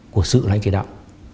của sự lãnh chế đạo